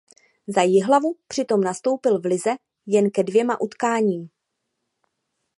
Za Jihlavu přitom nastoupil v lize jen ke dvěma utkáním.